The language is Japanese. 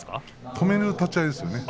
止める立ち合いですね。